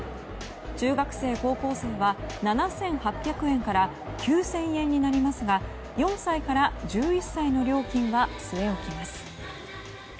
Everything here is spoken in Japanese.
中学生・高校生は７８００円から９０００円になりますが４歳から１１歳の料金は据え置きます。